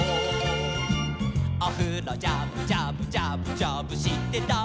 「おふろジャブジャブジャブジャブしてたら」